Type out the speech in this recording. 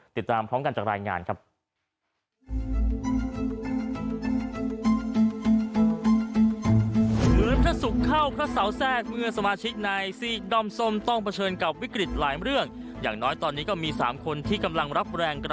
ติดตามพร้อมกันจากรายงานครับ